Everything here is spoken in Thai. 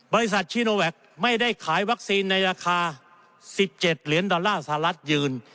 ซีโนแวคไม่ได้ขายวัคซีนในราคา๑๗เหรียญดอลลาร์สหรัฐยืน